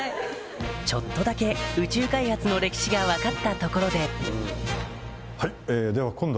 ちょっとだけ宇宙開発の歴史が分かったところではいでは今度は。